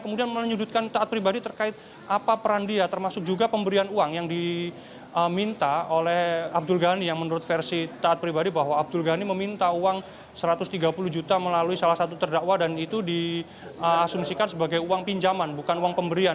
kemudian menyudutkan taat pribadi terkait apa peran dia termasuk juga pemberian uang yang diminta oleh abdul ghani yang menurut versi taat pribadi bahwa abdul ghani meminta uang satu ratus tiga puluh juta melalui salah satu terdakwa dan itu diasumsikan sebagai uang pinjaman bukan uang pemberian